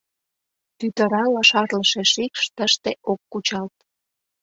Тӱтырала шарлыше шикш тыште ок кучалт.